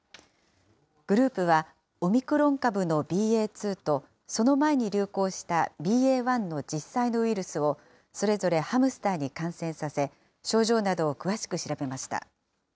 グループはオミクロン株のＢＡ．２と、その前に流行したＢＡ．１の実際のウイルスを、それぞれハムスターに感染させ、症状などを詳しく調べました。